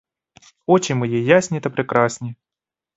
Очі мої ясні та прекрасні!